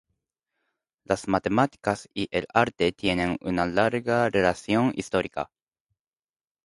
Las matemáticas y el arte tienen una larga relación histórica.